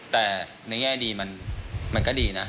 แต่ในแง่ดีมันก็ดีนะ